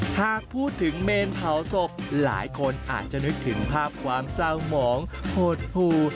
หากพูดถึงเมนเผาศพหลายคนอาจจะนึกถึงภาพความเศร้าหมองโหดหู